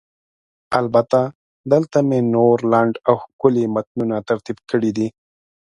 البته، دلته مې نور لنډ او ښکلي متنونه ترتیب کړي دي: